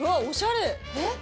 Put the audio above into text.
えっ？